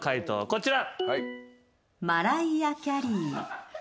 こちら。